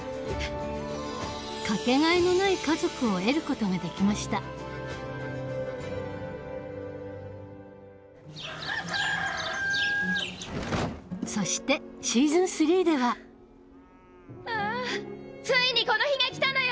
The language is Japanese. かけがえのない家族を得ることができましたそしてシーズン３ではああついにこの日が来たのよ！